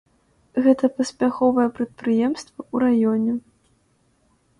Гэта паспяховае прадпрыемства ў раёне.